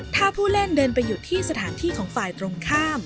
ถ้าผู้เล่นเดินไปหยุดที่สถานที่ของฝ่ายตรงข้าม